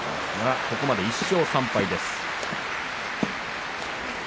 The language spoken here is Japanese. ここまで１勝３敗です。